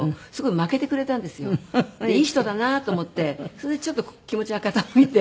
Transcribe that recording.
それでちょっと気持ちが傾いて。